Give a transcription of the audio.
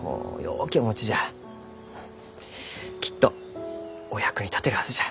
うんきっとお役に立てるはずじゃ。